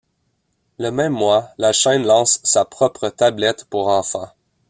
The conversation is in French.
Le même mois, la chaîne lance sa propre tablette pour enfants.